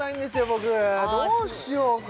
僕どうしようかな？